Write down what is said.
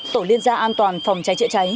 tổ liên gia an toàn phòng cháy chữa cháy